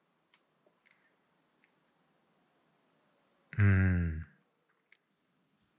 うん。